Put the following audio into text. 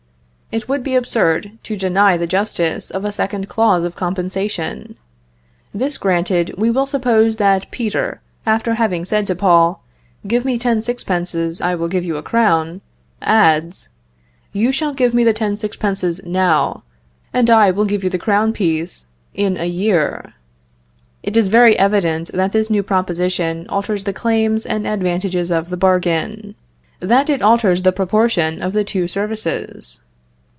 It would be absurd to deny the justice of a second clause of compensation. This granted, we will suppose that Peter, after having said to Paul, "Give me ten sixpences, I will give you a crown," adds, "you shall give me the ten sixpences now, and I will give you the crown piece in a year;" it is very evident that this new proposition alters the claims and advantages of the bargain; that it alters the proportion of the two services.